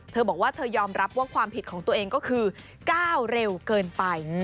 เธอบอกว่าเธอยอมรับว่าความผิดของตัวเองก็คือก้าวเร็วเกินไป